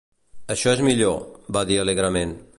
"Això és millor", va dir alegrement.